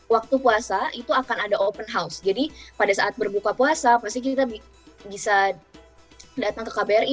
waktu puasa itu akan ada open house jadi pada saat berbuka puasa pasti kita bisa datang ke kbri